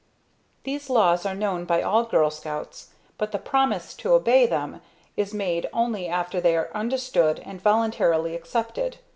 These Laws are known by all Girl Scouts, but the Promise to obey them is made only after they are understood and voluntarily accepted.